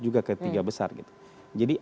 juga ke tiga besar gitu jadi